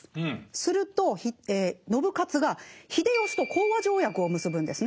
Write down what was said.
すると信雄が秀吉と講和条約を結ぶんですね。